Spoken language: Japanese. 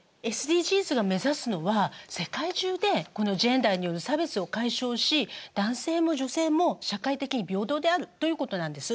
ＳＤＧｓが目指すのは世界中でこのジェンダーによる差別を解消し男性も女性も社会的に平等であるということなんです。